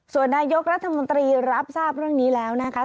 ส่วนนายกรัฐมนตรีรับทราบเรื่องนี้แล้วนะคะ